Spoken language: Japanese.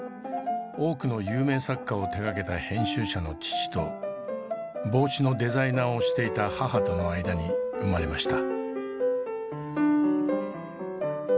多くの有名作家を手がけた編集者の父と帽子のデザイナーをしていた母との間に生まれました。